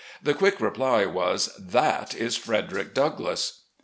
The quick reply was, "That is Frederick Douglass."